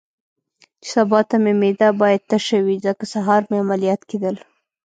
چې سبا ته مې معده باید تشه وي، ځکه سهار مې عملیات کېدل.